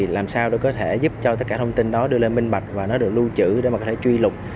làm sao có thể giúp cho tất cả thông tin đó đưa lên minh bạch và được lưu trữ để có thể truy lục